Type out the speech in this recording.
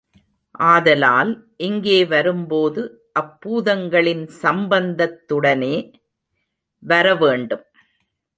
ஆதலால் இங்கே வரும்போது அப்பூதங்களின் சம்பந்தத்துடனே வர வேண்டும்.